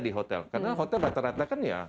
di hotel karena hotel rata rata kan ya